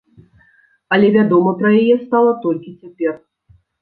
Але вядома пра яе стала толькі цяпер.